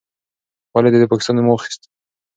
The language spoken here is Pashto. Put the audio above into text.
ولې دې د پاکستان نوم واخیست؟